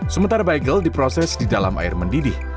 sementara bagel diproses di dalam air mendidih